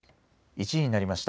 １時になりました。